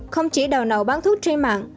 không chỉ đầu nậu bán thuốc trên mạng